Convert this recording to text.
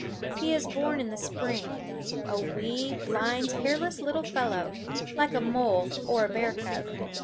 He is born in the spring, a wee, blind, hairless little fellow, like a mole or a bear cub.